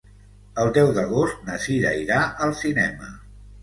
El deu d'agost na Cira irà al cinema.